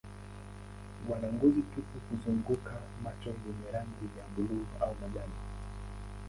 Wana ngozi tupu kuzunguka macho yenye rangi ya buluu au majani.